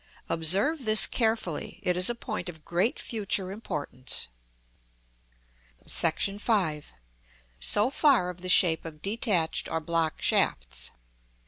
Observe this carefully; it is a point of great future importance. § V. So far of the shape of detached or block shafts.